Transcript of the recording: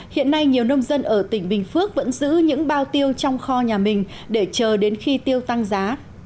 hiện nay nhiều nông dân ở tỉnh bình phước vẫn giữ những bao tiêu trong kho nhà mình để chờ đến khi tiêu tăng giá